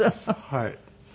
はい。